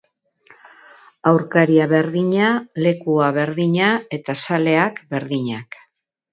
Aurkaria berdina, lekua berdina eta zaleak berdinak.